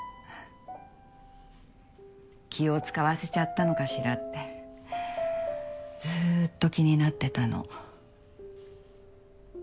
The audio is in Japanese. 気を使わせちゃったのかしらってずっと気になってたの。